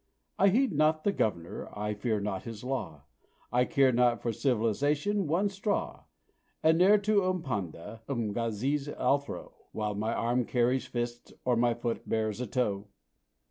I heed not the Governor, I fear not his law, I care not for 'civilisation' (?) one straw And ne'er to 'Ompanda' 'Umgazis' I'll throw, While my arm carries fist, or my foot bears a toe!